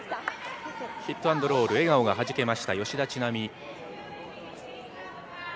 ヒットアンドロール、笑顔がはじけました、吉田知那美。